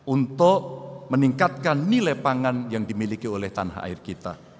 untuk meningkatkan nilai pangan yang dimiliki oleh tanah air kita